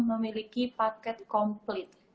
memiliki paket komplit